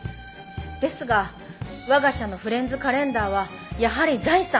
ですが我が社のフレンズカレンダーはやはり財産。